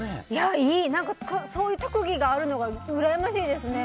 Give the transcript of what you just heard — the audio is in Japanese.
そういう特技があるのがうらやましいですね。